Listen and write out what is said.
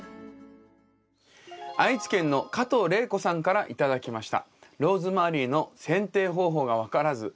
愛知県の加藤玲子さんから頂きました。